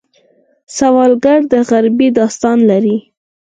سوالګر د غریبۍ داستان لري